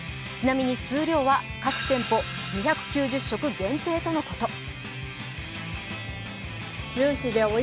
ちなみに数量は各店舗２９０食限定とのこと。